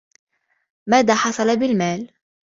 ماذا حصل بالمال؟